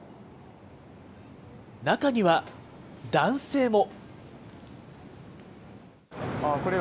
中には、男性も。